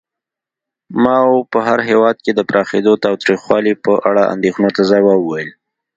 ماوو په هېواد کې د پراخېدونکي تاوتریخوالي په اړه اندېښنو ته ځواب وویل.